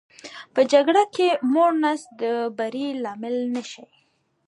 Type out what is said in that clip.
په جګړه کې که موړ نس د بري لامل نه شي.